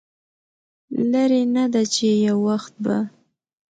لرې نه ده چې يو وخت به